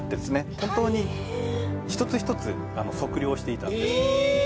本当に一つ一つ測量していたんですえーっ！？